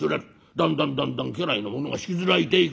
だんだんだんだん家来の者が引きずられていく。